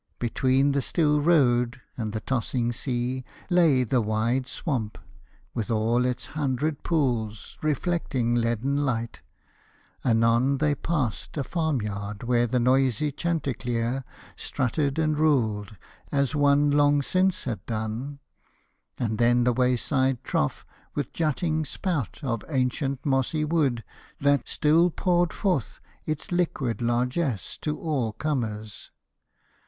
Between the still road and the tossing sea Lay the wide swamp, with all its hundred pools Reflecting leaden light; anon they passed A farm yard where the noisy chanticleer Strutted and ruled, as one long since had done; And then the wayside trough with jutting spout Of ancient, mossy wood, that still poured forth Its liquid largess to all comers.